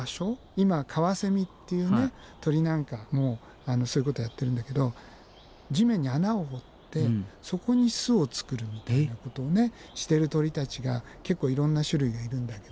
今カワセミっていう鳥なんかもそういうことやってるんだけど地面に穴を掘ってそこに巣を作るみたいなことをしてる鳥たちが結構いろんな種類がいるんだけど。